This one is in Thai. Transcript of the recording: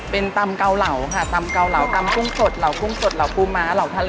เป็นตำเกาเหลาค่ะตำเกาเหลาตำกุ้งสดเหล่ากุ้งสดเหล่าปูม้าเหล่าทะเล